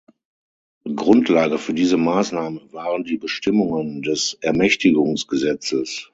Grundlage für diese Maßnahme waren die Bestimmungen des Ermächtigungsgesetzes.